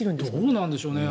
どうなんでしょうね。